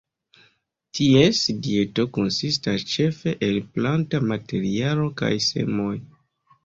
Ties dieto konsistas ĉefe el planta materialo kaj semoj.